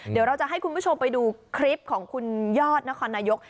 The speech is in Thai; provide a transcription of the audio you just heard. เดี๋ยวเราจะให้คุณผู้ชมไปดูคลิปของคุณยอดนครนายก